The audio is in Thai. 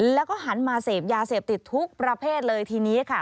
แล้วก็หันมาเสพยาเสพติดทุกประเภทเลยทีนี้ค่ะ